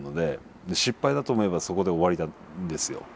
失敗だと思えばそこで終わるんですよ。